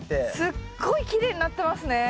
すっごいきれいになってますね。